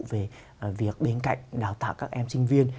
về việc bên cạnh đào tạo các em sinh viên